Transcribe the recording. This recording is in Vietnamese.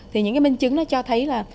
thì những cái minh chứng nó cho thấy là